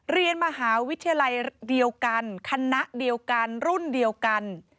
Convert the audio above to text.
เรียนมหาวิทยาลัยเดียวกันคณะเดียวกันรุ่นเดียวกัน